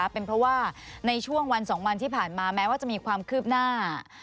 เป็นเพราะว่าในช่วงวัน๒วันที่ผ่านมาแม้ว่าจะมีความคืบหน้า